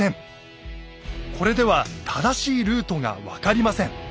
これでは正しいルートが分かりません。